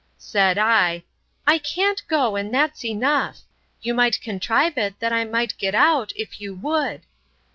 Said I, I can't go, and that's enough!—You might contrive it that I might get out, if you would.